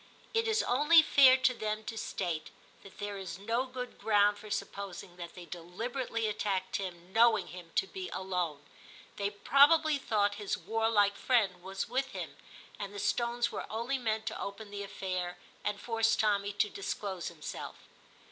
It is only fair to them to state that there is no good ground for sup VI TIM 135 posing that they deliberately attacked Tim knowing him to be alone ; they probably thought his warlike friend was with him, and the stones were only meant to open the affair, and force Tommy to disclose himself.